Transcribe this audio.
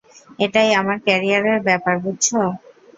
এটাই আমার ক্যারিয়ারের ব্যাপার, বুঝেছো?